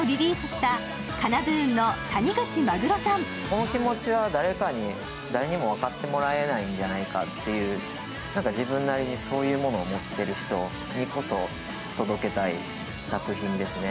この気持ちは誰にも分かってもらえないんじゃないかという自分なりにそういうものを持っている人にこそ届けたい作品ですね。